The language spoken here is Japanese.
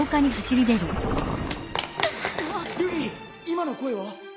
今の声は！？